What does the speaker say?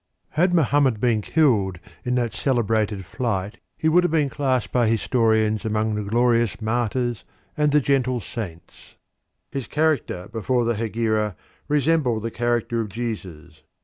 Had Mohammed been killed in that celebrated flight he would have been classed by historians among the glorious martyrs and the gentle saints. His character before the Hegira resembled the character of Jesus.